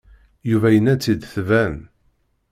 Yuba yenna-tt-id tban.